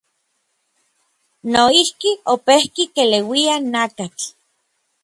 Noijki, opejki keleuia nakatl.